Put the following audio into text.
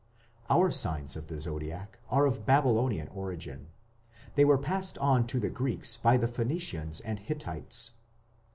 Our signs of the Zodiac are of Babylonian origin. They were passed on to the Greeks by the Phoenicians and Hittites.